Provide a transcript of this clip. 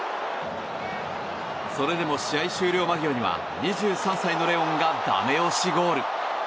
それでも試合終了間際には２３歳のレオンがダメ押しゴール。